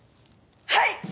はい！